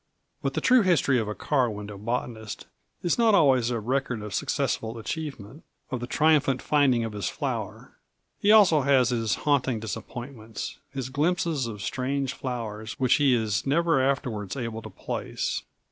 But the true history of a car window botanist is not always a record of successful achievement, of the triumphant finding of his flower; he also has his haunting disappointments, his glimpses of strange flowers which he is never afterwards able to place.